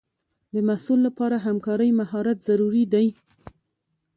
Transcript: د محصل لپاره همکارۍ مهارت ضروري دی.